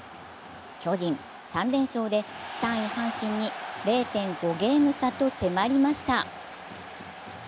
巨人、３連勝で３位・阪神に０．５ゲーム差と迫りました。